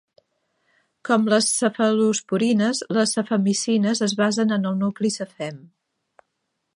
Com les cefalosporines, les cefamicines es basen en el nucli cefem.